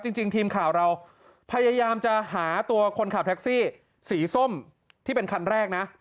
จริงทีมข่าวเราพยายามจะหาตัวคนขับแท็กซี่สีส้มที่เป็นคันแรกนะ